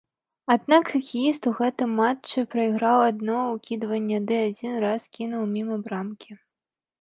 Аднак хакеіст у гэтым матчы прайграў адно ўкідванне ды адзін раз кінуў міма брамкі.